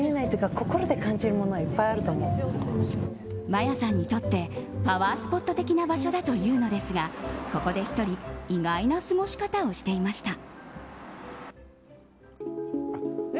マヤさんにとってパワースポット的な場所だというのですがここで１人意外な過ごし方をしていました。